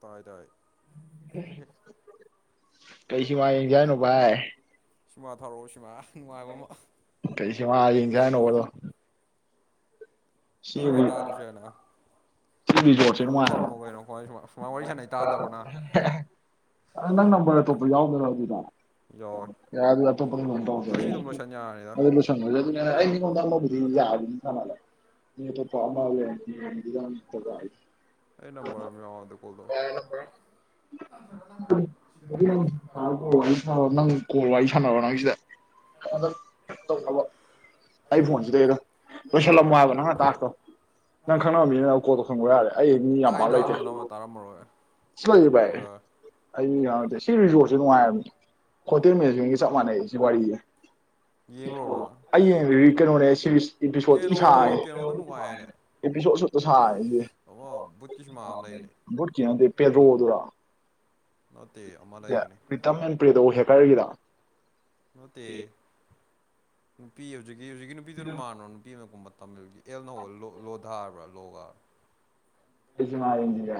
ꯇꯥꯏꯔꯏ ꯀꯩꯁꯨ ꯋꯥꯌꯦꯡꯖꯏꯅꯣ ꯚꯥꯏ ꯁꯤꯃꯥ ꯊꯧꯔꯛꯑꯣ ꯁꯤꯃꯥ ꯅꯨꯡꯉꯥꯏꯕ ꯑꯃ ꯀꯩꯁꯤ ꯋꯥ ꯌꯦꯡꯁꯅ ꯋꯥꯗꯣ ꯃꯣꯏ ꯋꯥꯔꯤ ꯇꯥꯗ꯭ꯔꯖꯨ ꯌꯥꯏꯅ ꯑꯗꯨꯝ ꯊꯝꯃꯣ ꯀꯩꯅꯣ ꯁꯨꯃꯥꯏ ꯋꯥꯔꯤ ꯁꯥꯟꯅꯩ ꯇꯥꯗꯕ꯭ꯔꯣ ꯅꯪ ꯅꯝꯕꯔ ꯑꯇꯣꯞꯄ ꯌꯥꯎꯗꯔꯥ ꯑꯗꯨꯗ ꯌꯥꯔꯦ ꯑꯗꯨꯗꯤ ꯑꯇꯣꯞꯄꯗ ꯑꯗꯨꯝ ꯊꯧꯔꯁꯦꯑꯗꯨ ꯂꯣꯏꯁꯤꯜ [unintelligible] ꯃꯤ [unintelligible] [unintelligible] ꯅꯁꯥꯔꯣꯀꯣꯋꯥꯔꯤ ꯁꯥꯎ ꯅꯪ ꯀꯣꯜ ꯋꯥꯔꯤ ꯁꯥꯟꯔꯣ ꯅꯪꯁꯤꯗ ꯍꯥꯗ ꯇꯧꯅꯕ ꯑꯩ ꯐꯣꯟꯁꯤꯗꯗꯣ ꯂꯣꯏꯁꯜꯂꯝꯃꯣ ꯍꯥꯏꯕ ꯇꯥꯛꯇꯣ ꯅꯪ ꯈꯪꯅꯕꯃꯤꯔꯕ ꯀꯣꯜꯇꯧꯁꯤꯒ꯭ꯔꯣ ꯌꯥꯔꯦ ꯑꯩ ꯃꯤ ꯌꯥꯝ ꯄꯥꯛ ꯂꯩꯇꯦ ꯁꯤ ꯂꯩ ꯚꯥꯏ ꯑꯩ ꯌꯥꯎꯗꯦ ꯁꯤ ꯔꯤꯖꯣꯔꯠꯁꯦ ꯅꯨꯡꯉꯥꯏꯕꯅꯦ ꯍꯣꯇꯦꯜ ꯃꯦꯅꯦꯖꯤꯡꯒ ꯆꯞ ꯃꯥꯟꯅꯩ ꯁꯤ ꯋꯥꯔꯤꯁꯦ ꯑꯩ ꯌꯦꯡ ꯀꯩꯅꯣꯅꯦ ꯁꯦꯔꯤꯁ ꯑꯦꯄꯤꯁꯣꯠ ꯊꯤ ꯁꯥꯡꯉꯦ ꯑꯦꯄꯤꯁꯣꯠ ꯁꯨꯠꯇ ꯁꯥꯡꯉꯦ ꯕꯨꯠꯀꯤꯅꯗꯦ ꯄꯦꯗ꯭ꯔꯣꯗꯨꯔꯣ ꯑꯦ ꯄ꯭ꯔꯤꯇꯝ ꯑꯦꯟ ꯄ꯭ꯔꯤꯗꯣ ꯍꯦꯛꯀꯔꯒꯤꯗꯣ ꯅꯠꯇꯦ ꯅꯨꯄꯤ ꯍꯧꯖꯤꯛꯀꯤ ꯍꯧꯖꯤꯛꯀꯤ ꯅꯨꯄꯤꯗꯨꯅ ꯃꯥꯟꯅꯕꯣ ꯅꯨꯄꯤ ꯑꯃ ꯀꯨꯝꯕ ꯇꯥꯃꯤꯜꯒꯤ ꯑꯦꯜꯅ ꯍꯧꯕ ꯂꯣꯗꯥꯥ ꯍꯥꯏꯕ꯭ꯔꯥ ꯂꯣꯒ ꯀꯩ ꯁꯤꯃꯥ ꯌꯦꯡꯁꯤꯒꯦ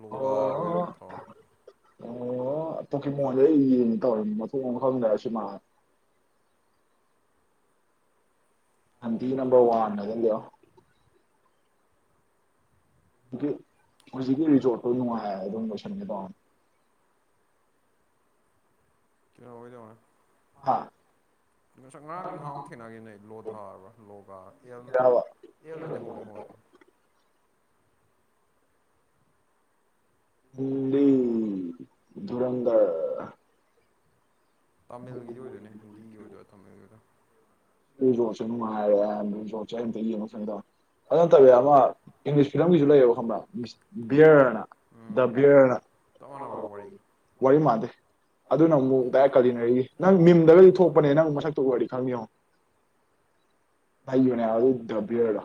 ꯂꯣꯒꯥ ꯍꯥꯏꯕ꯭ꯔꯥ ꯀꯩꯅꯣ ꯊꯥꯔꯛꯑꯣꯅꯦ ꯑꯣ ꯄꯣꯛꯀꯤ ꯃꯣꯟꯖꯦ ꯌꯦꯡꯒꯦ ꯇꯧꯔꯦ ꯃꯊꯣꯡ ꯃꯔꯔꯝ ꯈꯪꯗꯗꯅ ꯁꯤꯃꯅ ꯅꯝꯕꯔ ꯋꯥꯟꯗ ꯑꯗ ꯂꯩꯌꯣ ꯍꯧꯖꯤꯛꯀꯤ ꯔꯤꯖꯣꯔꯠꯇꯣ ꯅꯨꯡꯉꯥꯏ ꯍꯥꯏ ꯑꯗꯨꯝ ꯂꯣꯏꯁꯟꯒꯦ ꯇꯧꯕ ꯀꯩꯅꯣꯒꯗꯃꯣ [unintelligible] ꯍꯥ ꯉꯁꯛ ꯉꯔꯥꯡ ꯅꯍꯥꯎ ꯊꯦꯡꯅꯈꯤꯅꯦ ꯂꯣꯙꯥ ꯍꯥꯕ꯭ꯔꯥ ꯂꯣꯒꯥ ꯑꯦꯜ ꯑꯦꯜ ꯅꯗꯤ ꯍꯧꯕꯅꯦ ꯍꯣꯏ ꯍꯤꯟꯗꯤ ꯙꯨꯔꯟꯗꯔ ꯇꯥꯃꯤꯜꯒꯤꯗꯤ ꯑꯣꯏꯗꯣꯏꯅꯦ ꯍꯤꯟꯗꯤꯒꯤ ꯑꯣꯏꯗꯣꯏꯔꯥ ꯇꯥꯃꯤꯜꯒꯤ ꯑꯣꯏꯗꯣꯏꯔꯥ ꯃ ꯁꯣꯆꯅ ꯍꯥꯏꯔ ꯁꯣꯆꯗꯅ ꯐꯪ [unintelligible] ꯑꯗꯨ ꯅꯠꯇꯕꯤꯗ ꯑꯃ ꯏꯪꯂꯤꯁ ꯐꯤꯂꯝꯒꯤꯁꯨ ꯂꯩꯌꯦꯕ ꯈꯪꯕ꯭ꯔꯥ ꯕꯤꯌꯔꯅ ꯗ ꯕꯤꯌꯔꯅ ꯆꯞ ꯃꯅꯕ꯭ꯔꯥ ꯋꯥꯔꯤ ꯋꯥꯔꯤ ꯃꯥꯅꯗꯦ ꯑꯗꯨ [unintelligible] ꯀꯔꯤꯅꯣꯑꯩꯒꯤ ꯅꯪ ꯃꯤꯝꯗꯒꯗꯤ ꯊꯣꯛꯄꯅꯦ ꯅꯪ ꯃꯁꯛꯇꯣ ꯎꯔꯒꯗꯤ ꯈꯪꯅꯤ ꯌꯦꯡꯉꯣ ꯍꯩꯕꯅꯦꯕ ꯑꯗꯨꯏ ꯕꯤꯌꯔ ꯗꯣ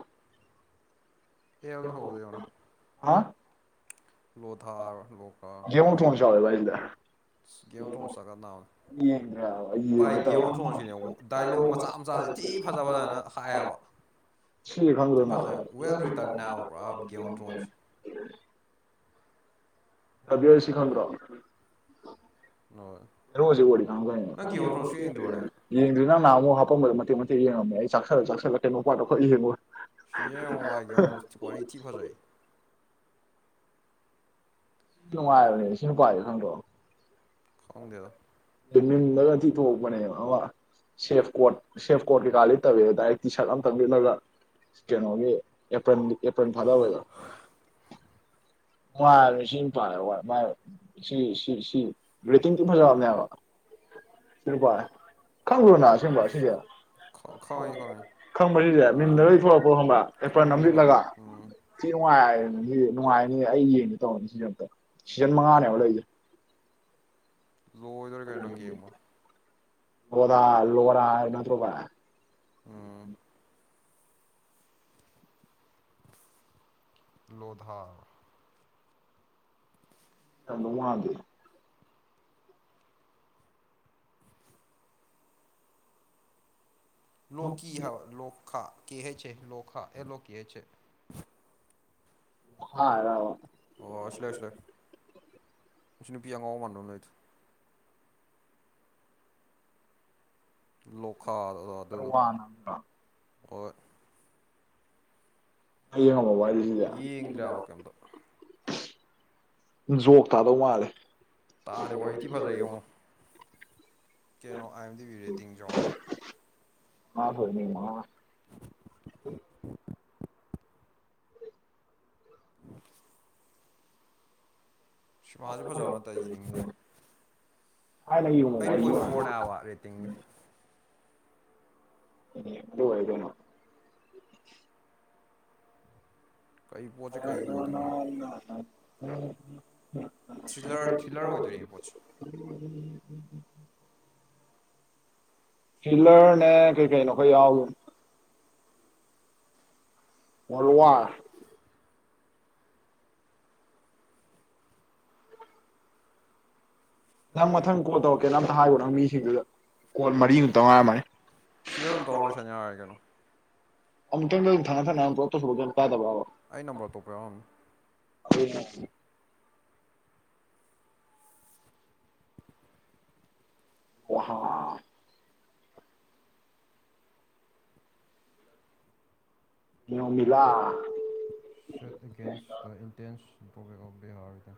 ꯌꯦꯜꯅ ꯍꯧꯕꯗꯣ ꯌꯦꯡꯉꯣꯅꯦ ꯍꯥꯥ ꯂꯣꯊꯥ ꯂꯣꯀꯥ ꯒꯦꯣꯟ ꯊ꯭ꯔꯣꯟ ꯆꯀꯗꯅꯕꯅꯥꯅꯦ ꯄꯚꯥꯏ ꯒꯦꯕꯣꯟ ꯊ꯭ꯔꯣꯟꯁꯤꯅꯦ ꯗꯥꯏꯂꯣꯛ ꯃꯆꯥ ꯃꯆꯥꯁꯤ ꯊꯤ ꯐꯖꯕꯅ ꯅꯪ ꯍꯥꯏꯌꯦꯕ ꯁꯤꯖꯦ ꯈꯪꯗ꯭ꯔꯣꯅꯪ ꯗꯥ ꯕꯤꯌꯔ ꯁꯦ ꯈꯪꯗ꯭ꯔꯣ ꯍ ꯔꯔꯣꯁꯦ ꯋꯥꯔꯤ ꯈꯥꯡꯗꯣꯏꯅꯦ ꯌꯦꯡꯗꯣꯏ ꯅꯍꯥꯨꯛ ꯍꯥꯄꯝꯕꯗꯣ ꯃꯇꯦꯛ ꯃꯇꯦꯛ ꯌꯦꯡꯉꯝꯃꯦ ꯑꯩ ꯆꯥꯛ ꯆ ꯍꯉꯣ ꯄꯥꯗꯈꯣꯏ ꯌꯦꯡꯉꯣ ꯀ꯭ꯋꯥꯂꯤꯇꯤ ꯐꯖꯩ ꯅꯨꯡꯉꯕꯅꯦ ꯁꯤꯅ ꯄꯥꯏ ꯁꯪꯗꯣꯑꯣ ꯈꯣꯡꯗꯌꯣ ꯃꯤꯡꯗꯒ ꯊꯤ ꯊꯣꯛꯣꯛꯄꯅꯦꯕ ꯑ ꯁꯦꯐ ꯀꯣꯔꯠ ꯁꯦꯐ ꯀꯣꯔꯠ ꯀꯩꯀꯥ ꯂꯩ ꯇꯧꯋꯦꯕ ꯇꯤ ꯁꯥꯔꯠ ꯑꯝꯇ ꯂꯤꯠꯂꯒ ꯀꯩꯅꯣꯒꯤ ꯑꯦꯄ꯭ꯔꯤꯜ ꯑꯦꯄ꯭ꯔꯤꯜ ꯐꯥꯗꯧꯋꯦꯗꯣ ꯃꯥꯅꯦ ꯁꯤ ꯄꯥꯜ ꯁꯤ ꯁꯤ ꯦꯇꯤꯡꯗꯤ ꯐꯖꯕꯕꯅꯦꯕ ꯁꯤꯄꯥ ꯈꯪꯕ꯭ꯔꯣꯅ ꯁꯤꯨꯝꯕ ꯁꯤꯁꯦ ꯈꯪ ꯁꯤꯗꯤꯦ ꯃꯤꯟꯗ ꯂꯣꯏꯊꯂꯛꯄꯣ ꯈꯪꯕ꯭ꯔꯥ ꯑꯦ ꯐꯔ ꯅꯝ ꯂꯤꯠꯂꯒ ꯁꯤ ꯅꯨꯡꯉꯥꯏꯔ ꯅꯨꯡꯉꯥꯏꯅꯤ ꯑꯩ ꯌꯦꯡꯗꯦ ꯇꯧꯔꯅꯤ ꯁꯤꯗꯛꯇ ꯁꯤꯖꯟ ꯃꯉꯥꯅꯦꯕ ꯂꯩꯁꯦ ꯔꯣꯗꯥ ꯂꯣꯔ ꯅꯠꯇ꯭ꯔꯣꯕ ꯎꯝ ꯂꯣꯗꯥꯥ ꯌꯥꯝꯗ ꯋꯥꯗꯦ ꯅꯣꯀꯤꯍ ꯂꯣꯈꯥ ꯀꯍꯦ ꯂꯣꯈꯥ ꯑꯦꯂꯣ ꯀꯍꯦ ꯑꯣ ꯑꯁꯤꯂ ꯑꯁꯤꯂꯦꯅ ꯄꯤꯌꯥꯉ ꯑꯣ ꯃꯥꯟꯅꯅ ꯂꯥ ꯑꯗꯨꯔ ꯑꯣꯏ ꯍꯌꯦꯡꯉ ꯑꯃ ꯋꯥꯔꯤꯁ ꯌꯦ ꯏꯒꯕ ꯀꯗꯣ ꯖꯣꯛ ꯊꯥꯗꯧ ꯃꯥꯜꯂꯦ ꯀꯩꯅꯣ I M D B rating ꯌꯧꯔꯥ ꯑ ꯍꯣꯏꯅꯤꯃ ꯑ ꯁꯤꯃꯁꯤꯦ ꯐꯖꯕꯅꯠꯇ ꯌꯦꯅꯤꯡꯉꯤꯅ ꯑꯩꯠ ꯄꯣꯏꯟ ꯐꯣꯔꯅꯦꯕ ꯔꯦꯇꯤꯡꯅꯤ ꯎꯝ ꯍꯣꯏꯗꯅꯣ ꯍꯅ ꯊ꯭ꯔꯤꯂꯔ ꯊ꯭ꯔꯤꯂꯔ ꯑꯣꯏꯗꯣꯏꯅꯦ ꯄꯠꯁꯦ ꯎꯝ ꯎ ꯎꯝ ꯎꯝ ꯍꯤꯂꯔꯅꯦ ꯀꯩ ꯀꯩꯩꯅꯣ ꯑꯩꯣꯏ ꯌꯥ ꯃꯜꯋꯥ ꯃꯊꯪ ꯃꯊꯪ ꯀꯣꯜ ꯇꯧꯔꯛꯀꯦ ꯅ ꯑꯝꯇ ꯍꯥꯏꯌꯨꯣ ꯅꯪ ꯃꯤꯁꯤꯡꯗꯨꯗ ꯀꯣꯜ ꯃꯔꯤꯃꯇ ꯉꯥꯏꯔꯝꯃꯅꯤ ꯁꯤꯗ ꯑꯗꯨꯝ ꯇꯧꯔ ꯂꯣꯏꯁꯟꯅꯤꯡ ꯌꯥꯔꯦ ꯀꯩꯅꯣ ꯊ ꯊꯅ ꯀꯥꯏꯗ ꯑꯣ ꯅꯃꯤꯂ threat against the intense drawback of ꯕꯦꯍꯥꯔꯗ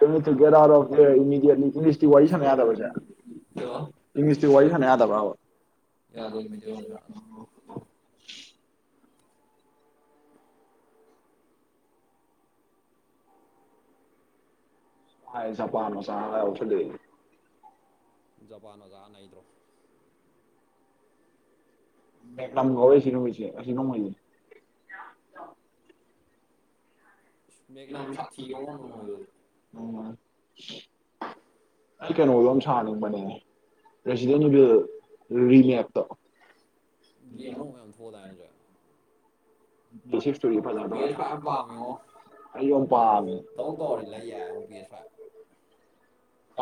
ꯀꯩꯏꯝ ꯅꯠꯇꯦ get out of the immediately ꯏꯪꯂꯤꯁꯇꯤ ꯋꯥꯔꯤ ꯁꯥꯟꯅ ꯌꯥꯗꯕ꯭ꯔꯥ ꯁꯦ ꯏꯪꯂꯤꯁꯇꯤ ꯋꯥꯔꯤ ꯁꯥꯟꯅ ꯌꯥꯗꯕ꯭ꯔꯥꯕ ꯍꯥꯏꯗꯤ ꯖꯄꯥꯟ ꯃꯆꯥꯒ ꯌꯥꯎꯁꯟꯗꯣꯏꯅꯤ ꯖꯄꯥꯟ ꯑꯣꯖꯥ ꯅꯩꯗ꯭ꯔꯣ ꯕꯦꯛꯇꯝ ꯀꯧꯋꯦ ꯑꯁꯤ ꯅꯣꯡꯃꯩꯁꯦ ꯑꯁꯤ ꯅꯣꯡꯃꯩꯖꯦ ꯏꯁ ꯃꯦꯛꯅꯝ ꯁꯥꯊꯤ ꯉꯣ ꯅꯣꯡꯃꯩꯗꯗꯤ ꯂꯧꯁꯤꯟꯕ ꯉꯝꯗꯕ ꯑꯩ ꯀꯩꯅꯣꯗꯣ ꯑꯝ ꯁꯥꯍꯟꯅꯤꯡꯕꯅꯦ ꯔꯦꯁꯤꯗꯦꯟ ꯏꯕꯤꯜ ꯔꯤꯃꯦꯛꯇꯣ ꯒꯦꯝꯅ ꯃꯌꯥꯝꯊꯣꯛꯑꯗꯥꯅꯖ ꯏꯁ ꯄꯦꯁ ꯄ ꯌꯥꯝ ꯄꯥꯝꯃꯦꯣ ꯇꯧ ꯇꯧꯔꯤ ꯂꯩ ꯌꯥꯏ ꯑꯣ ꯄꯁꯋꯥꯏ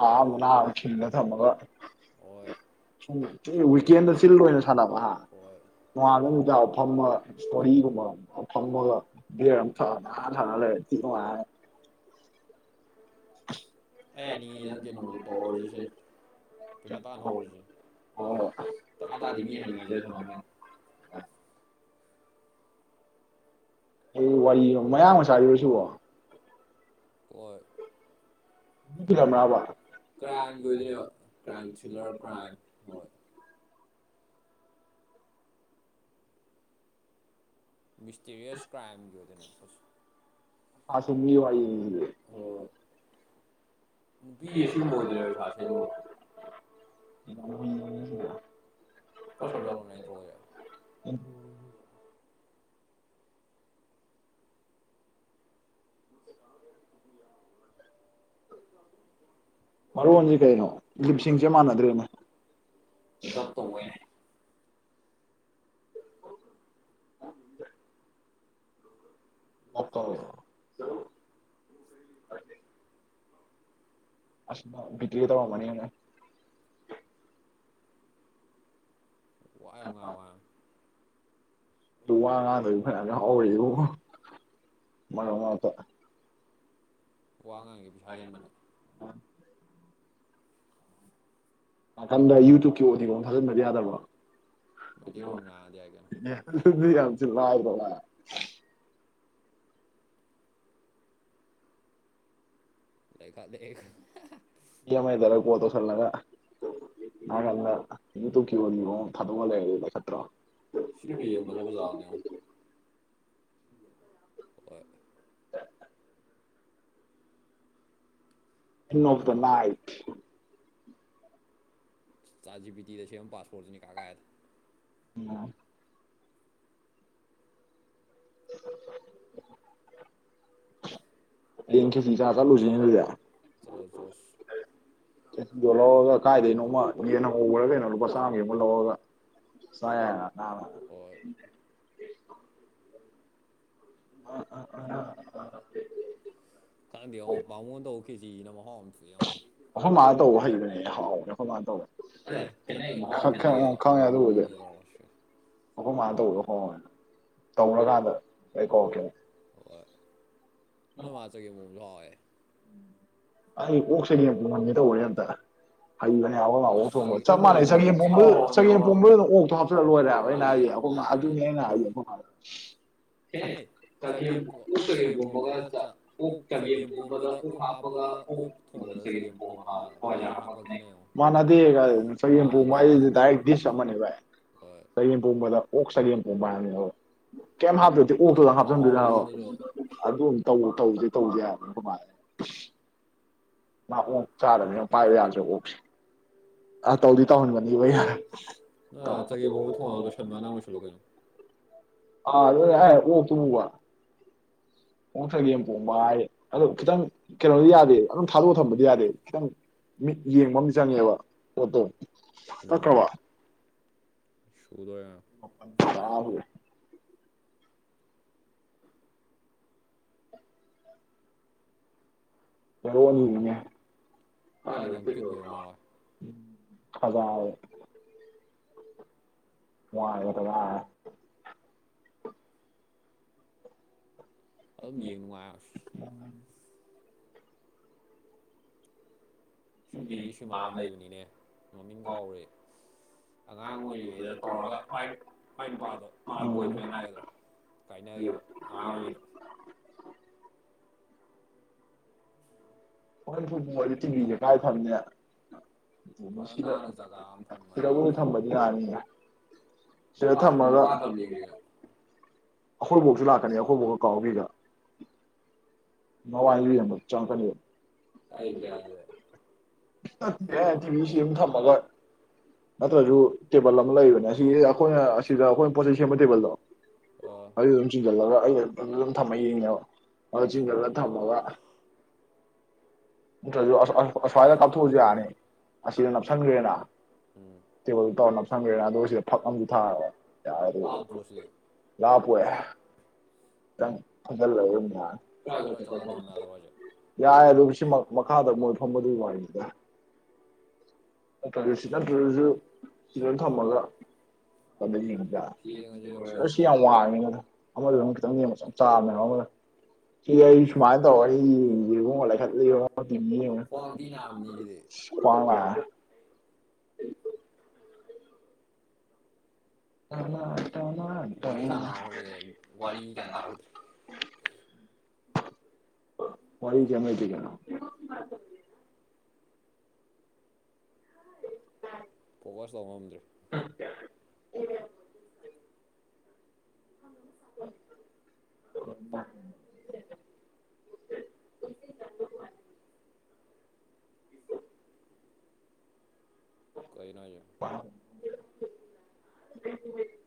ꯑꯥ ꯃꯅ ꯆꯜꯂ ꯊ ꯃꯒ ꯁꯨꯝ ꯋꯤꯛꯀꯦꯟꯗ ꯁꯤꯤꯜ ꯑꯣꯏꯅ ꯁꯥꯟꯅꯕ ꯍꯥ ꯅꯉꯥꯗ ꯅꯨꯡꯗꯥ ꯐꯝꯕ ꯏꯁꯇꯣꯔꯤꯒꯨꯝꯕꯒ ꯐꯃꯒ ꯕꯤꯔꯝ ꯊ ꯑ ꯊꯅ ꯂꯩꯦ ꯊꯉꯉ ꯑꯩ ꯍꯥꯏꯅꯤꯡꯉꯤ ꯅꯪ ꯀꯦ ꯅꯣꯡꯗ ꯇꯧꯍꯧꯔꯁꯤꯁꯦ ꯄꯩꯁꯥ ꯇꯥꯅ ꯍꯧꯔꯤꯁꯦ ꯍꯁ ꯑꯗꯨꯉ ꯍꯥꯏꯅꯤꯦ ꯑꯩ ꯋꯥꯔꯤ ꯃꯌꯥꯝ ꯑꯃ ꯆꯥꯔꯤꯕꯔꯨꯔꯁꯨꯕꯣ ꯑꯣꯏ ꯀ꯭ꯔꯥꯏꯝꯒꯤ ꯑꯣꯏꯗꯣꯏꯅꯦꯕ ꯀ꯭ꯔꯥꯏꯝ ꯊ꯭ꯔꯤꯜꯂꯔ ꯀ꯭ꯔꯥꯏꯝ ꯍꯣꯏ ꯃꯤꯁꯇꯤꯔꯤꯌꯁ ꯀ꯭ꯔꯥꯏꯝꯒꯤ ꯑꯣꯏꯗꯣꯏꯅꯦ ꯍꯣꯜ ꯃꯤ ꯑꯁꯦꯡꯕ ꯑꯣꯏꯗꯣꯏꯔꯥ ꯂꯧꯁꯤꯟꯕ ꯉꯝꯗꯕ ꯂꯧꯁꯤꯟꯕ ꯉꯝꯗꯕ ꯃꯔꯣꯟꯖꯦ ꯀꯩꯅꯣ ꯂꯤꯞꯁꯤꯡꯁꯦ ꯃꯥꯟꯅꯗ꯭ꯔꯦꯅꯦ ꯑꯣꯏꯅꯦ ꯑꯣꯄ ꯇꯣ ꯒꯤ ꯑꯁ ꯕꯤꯇ꯭ꯔꯦ ꯇꯧꯔꯝꯃꯅꯦꯅꯥ ꯋꯥ ꯌꯥꯝ ꯋꯥꯡꯉꯣ ꯍꯥꯏꯕꯅꯦ ꯑꯗꯨ ꯋꯥ ꯉꯥꯡꯗꯕꯤ ꯐꯅꯌꯥꯝ ꯌꯥꯎꯍꯧꯔꯤ ꯏꯕꯨꯡꯉꯣ ꯃꯔꯛ ꯃꯔꯛꯇ ꯋꯥ ꯉꯥꯡꯉꯤꯒꯩ ꯄꯩꯁꯥ ꯍꯦꯟꯕꯅꯦ ꯃꯊꯟꯗ ꯌꯨ ꯇꯌꯨꯕꯀꯤ ꯑꯣꯗꯤꯌꯣ ꯑꯃ ꯊꯥꯖꯤꯟꯕꯗꯤ ꯌꯥꯗꯕ꯭ꯔꯣ ꯅꯦ ꯑꯗꯨꯗꯤ ꯌꯥꯝ ꯊꯤ ꯂꯥꯏꯗ꯭ꯔꯣ ꯚꯥꯏ ꯂꯧꯁꯤꯟꯕ ꯉꯝꯗꯕ ꯌꯦ ꯃꯣꯏ ꯕꯥꯗꯥ ꯀꯣꯜ ꯇꯧꯁꯜꯂꯒ ꯃꯥꯔꯛꯅ ꯌꯨ ꯇꯨꯞ ꯀꯤ ꯑꯣꯗꯤꯌꯣ ꯑꯃ ꯊꯥꯗꯣꯛꯑ ꯂꯩꯔꯗꯤ ꯂꯣꯏ ꯐꯠꯇ꯭ꯔꯣ ꯁꯤ ꯅꯨꯄꯤꯖꯦ ꯃꯁꯛ ꯐꯖꯕꯅꯦ ꯌꯦꯡꯉꯣ ꯂꯧꯁꯤꯟꯕ ꯉꯝꯗꯕ ꯏꯟ of the night chat G P ꯇꯤꯗ ꯁꯦꯝ ꯄꯥꯁꯄꯣꯔꯠꯇꯨꯅꯤ ꯀꯥ ꯀꯥꯏꯗ ꯎꯝ ꯍꯌꯦꯡ ꯈꯦꯆꯤ ꯆꯥ ꯆꯠꯂꯨꯖꯤꯅꯦ ꯑꯗꯨꯗꯤ ꯆꯠꯂꯨꯖꯤ ꯆꯠꯁ ꯈꯦꯆꯤꯗꯣ ꯂꯧꯔꯒ ꯀꯥꯏꯗꯩꯅꯣꯃ ꯌꯦꯟ ꯑꯉꯧꯕꯔꯥ ꯀꯩꯅꯣ ꯂꯨꯄꯥ ꯆꯥꯝꯃꯒꯤ ꯑꯃꯒ ꯂꯧꯔꯒ ꯆꯥ ꯌꯥꯏꯅ ꯅꯥꯟꯅ ꯑꯥ ꯑꯥ ꯑꯥ ꯑꯥ ꯈꯪꯗꯦ ꯉꯣ ꯕꯥꯃꯣꯟꯅ ꯇꯧꯕ ꯈꯦꯆꯤꯖꯤꯅ ꯃꯍꯥꯎ ꯑꯃ ꯊꯣꯛꯑꯦꯉꯣ ꯑꯈꯣꯏ ꯃꯥꯅ ꯇꯧꯕ ꯍꯩꯕꯅꯦ ꯍꯥꯎꯕꯅꯦ ꯑꯈꯣꯏ ꯃꯥꯅ ꯇꯧꯕ ꯅꯠꯇꯦ ꯈꯦꯠꯅꯩ ꯃꯍꯥꯎ ꯈꯦꯠꯅꯩꯑꯕ ꯕꯥꯃꯣꯟꯒ ꯇꯧꯔꯛꯑꯁꯤ ꯑꯈꯣꯏ ꯃꯥꯅ ꯇꯧꯕꯗꯣ ꯍꯥꯎꯋꯦꯕ ꯇꯧꯔꯀꯥꯟꯗ ꯑꯩ ꯀꯧꯔꯛꯀꯦꯅꯦ ꯍꯣꯏ ꯅꯪꯏ ꯃꯥ ꯆꯒꯦꯝꯄꯣꯝꯕꯁꯨ ꯍꯥꯎꯋꯦ ꯑꯩ ꯍꯁꯦꯅꯤ ꯌꯥꯝ ꯃꯅꯤꯅꯦ ꯇꯧꯣꯔꯦꯗ ꯍꯩꯕꯅꯦꯕ ꯉꯥꯛꯍꯣꯡꯕ ꯆꯞ ꯃꯥꯟꯅꯩ ꯆꯒꯦꯝꯣꯝꯕ ꯆꯒꯦꯝ ꯄꯣꯝꯕꯗꯨ ꯑꯗꯨ ꯑꯣꯛꯇꯣꯞꯆꯤꯜꯂꯣꯏꯔꯦꯕ ꯑꯩꯅ ꯍꯥꯏ [unintelligible] ꯈꯦꯅꯩ ꯆꯒꯦꯝ ꯑꯣꯛ ꯆꯒꯦꯝ ꯄꯣꯝꯝꯕꯒ ꯑꯣꯛ ꯆꯒꯦꯝ ꯄꯣꯝꯕꯗ ꯑꯣꯛ ꯍꯥꯞꯄꯒ ꯑꯣꯛ ꯊꯣꯡꯕꯗ ꯆꯒꯦꯝ ꯍꯋꯥꯏꯖꯥꯔ ꯍꯥꯞꯄꯒ ꯈꯤꯠꯅꯩꯉ ꯃꯥꯅꯦ ꯃꯥꯅꯦ ꯗꯤꯁ ꯑꯃꯅꯦꯕꯚ ꯆꯒꯦꯝ ꯄꯣꯕꯗ ꯑꯣꯛ ꯆꯒꯦꯝ ꯄꯣꯕ ꯍꯥꯏꯕꯅꯦꯕ ꯀꯩꯝ ꯍꯥꯞꯇꯗꯤ ꯑꯣꯛꯇꯨꯗ ꯍꯥꯞꯆꯤꯟꯗꯨꯅ ꯑꯗꯨꯝ ꯇꯧ ꯇꯧꯁꯦ ꯇꯧꯁꯦ ꯍꯥꯏꯕꯅ ꯀꯃꯥꯏꯅ ꯃꯥ ꯑꯣꯛ ꯆꯥꯔꯅꯦ ꯄꯥꯏ ꯌꯥꯁꯦ ꯑꯣꯛꯁꯤꯦ ꯑꯥ ꯇꯧꯗꯤ ꯇꯧꯍꯟꯒꯅꯤꯕ ꯑꯗꯩ ꯍꯥꯏꯔ ꯑꯣꯛꯇꯨꯝ ꯎꯕ ꯑꯣꯛ ꯆꯒꯦꯝ ꯄꯣꯝꯕ ꯍꯥꯏꯔꯤ ꯑꯗꯨ ꯈꯤꯇꯪ ꯀꯩꯅꯣꯗꯤ ꯌꯥꯗꯦ ꯑꯗꯨꯝ ꯊꯥꯗꯣꯛꯑ ꯊꯝꯕꯗꯤ ꯌꯥꯗꯦ ꯈꯤꯇꯪ ꯃꯤꯠ ꯌꯦꯡꯕ ꯑꯝꯗꯤ ꯆꯪꯉꯦꯕ ꯄꯣꯠꯇꯣ ꯇꯠꯈ꯭ꯔꯕ ꯁꯨꯗꯣꯏꯔꯣ ꯂꯧꯁꯤꯟꯕ ꯉꯝꯗꯕ ꯂꯧꯁꯤꯟꯕ ꯉꯝꯗꯕ ꯂꯧꯁꯤꯟꯕ ꯉꯝꯗꯕ ꯑꯗꯨꯝ ꯌꯦꯡ ꯅꯨꯡꯉꯥꯏꯔꯁꯤ ꯏꯆ ꯅꯨꯄꯤꯁ ꯁꯃꯥ ꯑꯃ ꯂꯩꯕꯅꯤꯅꯦ ꯃꯃꯤꯡ ꯀꯥꯎꯔꯦ ꯑꯉꯥꯡ ꯑꯣꯏꯔꯤꯉꯩꯗ ꯇꯧꯔꯒ ꯃꯥꯏ ꯃꯥꯏ ꯅꯨꯄꯥꯗꯣ ꯃꯥ ꯕꯣꯏ ꯐ꯭ꯔꯦꯟ ꯍꯥꯏꯒꯗ꯭ꯔꯥ ꯀꯥꯏꯅꯈꯤꯕ ꯑꯉꯥꯡ ꯑꯣꯏꯔꯤꯉꯩꯗ ꯍꯣꯏ ꯐꯣꯏ ꯃꯣꯏꯗꯤ ꯆꯤꯡꯂꯤꯁꯦ ꯀꯥꯏ ꯐꯪꯅꯦ ꯁꯤꯈꯤꯗꯕꯨꯅ ꯊꯝꯕꯗꯤ ꯉꯅꯤꯅꯦ ꯁꯤꯗ ꯊꯝꯃꯒ ꯑꯩꯈꯣꯏꯕꯥꯎꯁꯨ ꯂꯥꯛꯀꯅꯤ ꯑꯩꯈꯣꯏꯕꯧꯒ ꯀꯥꯎꯕꯤꯒ ꯅꯋꯥ ꯑ ꯌꯥꯝ ꯆꯪꯀꯅꯤ ꯑꯦ ꯇꯤꯚꯁꯤꯝ ꯊꯝꯃꯒꯣꯏ ꯅꯠꯇ꯭ꯔꯁꯨ ꯇꯦꯕꯜ ꯑꯃ ꯂꯩꯕꯅꯦ ꯑꯁꯤ ꯑꯩꯈꯣꯏꯅ ꯑꯁꯤꯗ ꯑꯩꯈꯣꯏꯅ ꯄꯣꯠꯆꯩ ꯁꯦꯝꯕ ꯇꯦꯕꯜꯗꯣ ꯑꯗꯨ ꯑꯗꯨꯝ ꯆꯤꯡꯁꯤꯜꯂꯒ ꯑꯩ ꯑꯗꯨꯝ ꯊꯝꯃꯒ ꯌꯦꯡꯉꯦꯕ ꯑꯗꯨ ꯆꯤꯡꯁꯤꯜꯂ ꯊꯝꯃꯒ ꯁ꯭ꯋꯥꯏ ꯑꯄꯒꯌꯥꯅꯤ ꯑꯁꯤꯅ ꯅꯛꯁꯟꯒꯦꯅ ꯎꯝ ꯇ ꯇꯧꯔꯅꯪꯗ ꯑꯗꯨ ꯁꯤꯗ ꯐꯛ ꯊꯥꯏ ꯂꯥꯞꯇ꯭ꯔꯣ ꯁꯤꯦ [unintelligible] [unintelligible] ꯇ꯭ꯔꯥꯏꯒꯔ ꯆꯠꯊ ꯊꯝꯃꯦꯗꯁꯦ ꯃꯈꯥꯗ ꯃꯣꯏ ꯐꯝꯕꯗꯨ ꯋꯥꯗ ꯁꯤꯠ ꯅꯠꯇ꯭ꯔꯁꯨ ꯁꯤꯗ ꯊꯝꯃꯒ ꯌꯦꯡ ꯁꯤ ꯌꯥꯝ ꯋꯥꯡꯉꯤꯉꯗ ꯑꯃꯗ ꯑꯗꯨꯝ ꯈꯤꯇꯪ ꯅꯦꯝꯕ ꯆ ꯆꯥꯕꯃꯦꯕ ꯑꯃꯗ ꯁꯤ ꯑꯩ ꯃꯥꯥꯏꯗ ꯑꯩ ꯌꯦꯨꯝ ꯋꯥ ꯂꯩ ꯈ [unintelligible] [inaudible] [unintelligible] ꯐꯣꯀꯁ ꯇꯧꯕ ꯉꯝꯗ꯭ꯔꯦ [inaudible] [inaudible] [inaudible] [inaudible] ꯀꯥꯏ ꯅꯅꯦ [unintelligible]